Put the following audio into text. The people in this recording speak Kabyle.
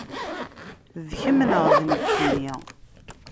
D kemm neɣ d nekkini?